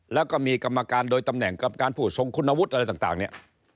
แล้วก็มีกรรมการโดยตำแหน่งกรรมการผู้ทรงคุณวุฒิอะไรต่างเนี่ย